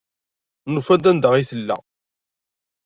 Nufa-d anda ay tella.